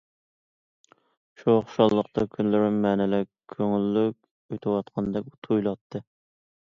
شۇ خۇشاللىقتا كۈنلىرىم مەنىلىك، كۆڭۈللۈك ئۆتۈۋاتقاندەك تۇيۇلاتتى.